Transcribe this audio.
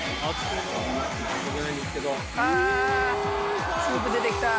あスープ出てきた！